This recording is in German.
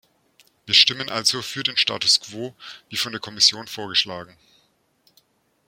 Wir stimmen also für den Status quo, wie von der Kommission vorgeschlagen.